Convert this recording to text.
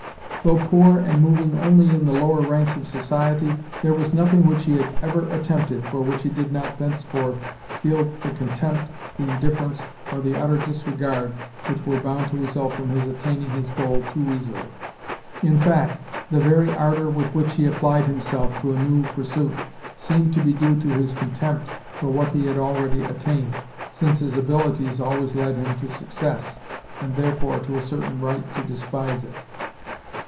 Though poor and moving only in the lower ranks of society, there was nothing which he had ever attempted for which he did not thenceforth feel the contempt, the indifference, or the utter disregard which were bound to result from his attaining his goal too easily. In fact, the very ardour with which he applied himself to a new pursuit seemed to be due to his contempt for what he had already attained, since his abilities always led him to success, and therefore to a certain right to despise it.